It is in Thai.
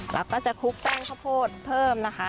แล้วก็จะคลุกแป้งข้าวโพดเพิ่มนะคะ